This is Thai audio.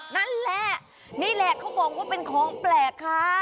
นั่นแหละนี่แหละเขาบอกว่าเป็นของแปลกค่ะ